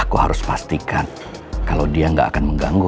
aku harus pastikan kalau dia nggak akan mengganggu